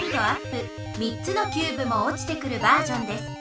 ３つのキューブもおちてくるバージョンです。